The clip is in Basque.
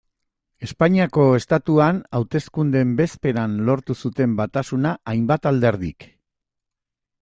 Espainiako Estatuan hauteskundeen bezperan lortu zuten batasuna hainbat alderdik.